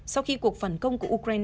sau khi cuộc phản công của ukraine